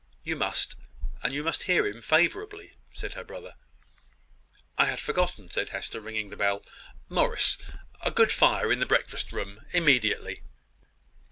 "You must; and you must hear him favourably," said her brother. "I had forgotten," said Hester, ringing the bell. "Morris, a good fire in the breakfast room, immediately."